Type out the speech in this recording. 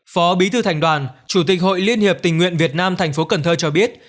phó bí thư thành đoàn chủ tịch hội liên hiệp tình nguyện việt nam tp cần thơ cho biết